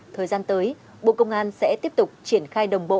thời gian tới bộ công an sẽ tiếp tục triển khai đồng bộ